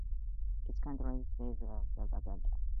Its county seat is Bandera.